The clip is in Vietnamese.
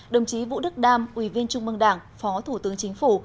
đồng chí vũ đức đam ủy viên trung mương đảng phó thủ tướng chính phủ